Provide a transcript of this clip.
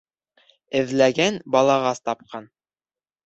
Эҙләгән балағас тапҡан.